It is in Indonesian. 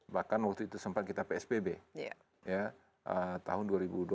bahkan waktu itu sempat kita psbb tahun dua ribu dua puluh